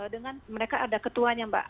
dengan mereka ada ketuanya mbak